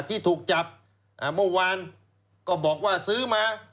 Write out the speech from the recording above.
ที่ถูกจับเมื่อวานก็บอกว่าซื้อมา